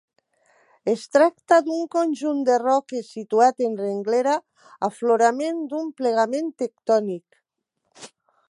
Es tracta d'un conjunt de roques situat en renglera, aflorament d'un plegament tectònic.